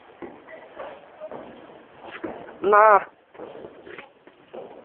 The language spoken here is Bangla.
যেকোনও ফরম্যাটের বিশ্বকাপে এটিই পাপুয়া নিউ গিনির প্রথম অংশগ্রহণ।